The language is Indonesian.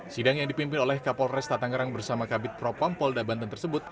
sidang yang dipimpin oleh kapol resta tangerang bersama kabit propam polda banten tersebut